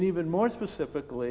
dan lebih spesifiknya